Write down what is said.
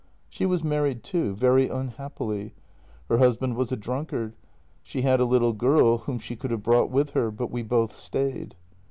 " She was married too — very unhappily. Her husband was a drunkard. She had a little girl whom she could have brought with her. But we both stayed.